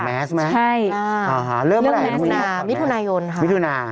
ถอดแมสไหมอ่าเรื่องแมสไหมมิถุนายนค่ะมิถุนา